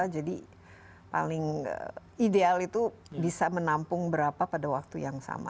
dua ribu dua puluh dua jadi paling ideal itu bisa menampung berapa pada waktu yang sama